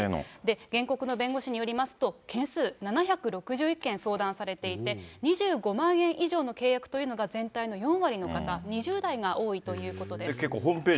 原告の弁護士によりますと、件数７６１件相談されていて、２５万円以上の契約というのが全体の４割の方、２０代が多いということです。